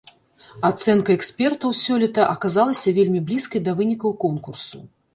Ацэнка экспертаў сёлета аказалася вельмі блізкай да вынікаў конкурсу.